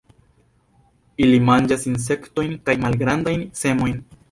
Ili manĝas insektojn kaj malgrandajn semojn.